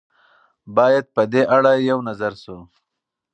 باید په دې اړه یو نظر شو.